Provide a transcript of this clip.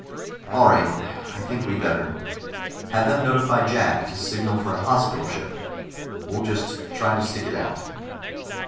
"All right. I think we'd better. Have them notify Jack to signal for a hospital ship. We'll just try to stick it out."